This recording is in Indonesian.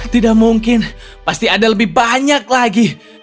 tidak mungkin pasti ada lebih banyak lagi